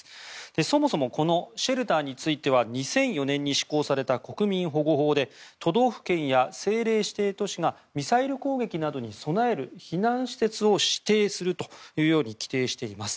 そもそもこのシェルターについては２００４年に施行された国民保護法で都道府県や政令指定都市がミサイル攻撃などに備える避難施設を指定するというように規定しています。